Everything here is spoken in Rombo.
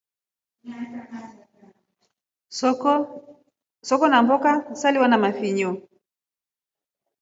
Soko na mboka saliwa na mafinyo.